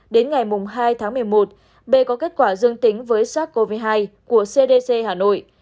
đến ngày hai tháng một mươi một b có kết quả dương tính với sars cov hai của cdc hà nội